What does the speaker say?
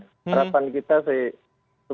harapan kita sih